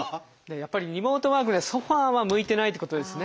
やっぱりリモートワークにはソファーは向いてないってことですね。